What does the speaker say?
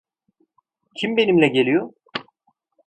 Kim benimle geliyor?